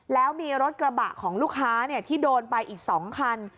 แล้วมีรถกระบะของลูกค้าที่โดนไปอีก๒คัน